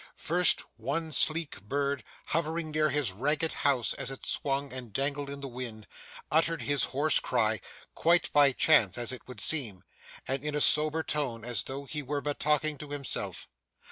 First, one sleek bird, hovering near his ragged house as it swung and dangled in the wind, uttered his hoarse cry, quite by chance as it would seem, and in a sober tone as though he were but talking to himself.